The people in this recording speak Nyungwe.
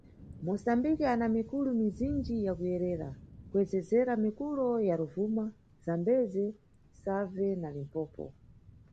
Moçambique ana mikulo mizinji ya kuyerera, kuyezezera mikulo ya Rovuma, Zambeze, Save na Limpompo.